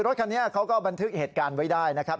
รถคันนี้เขาก็บันทึกเหตุการณ์ไว้ได้นะครับ